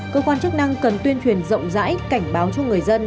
cơ quan chức năng cần tuyên truyền rộng rãi cảnh báo cho người dân